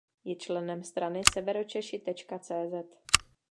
Je členem strany Severočeši.cz.